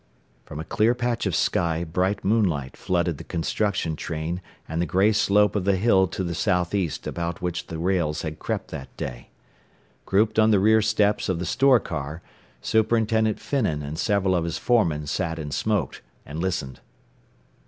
From a clear patch of sky bright moonlight flooded the construction train and the gray slope of the hill to the southeast about which the rails had crept that day. Grouped on the rear steps of the store car, Superintendent Finnan and several of his foremen sat and smoked, and listened.